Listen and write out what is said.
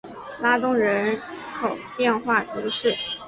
拉东人口变化图示